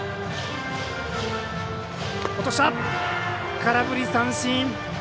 空振り三振。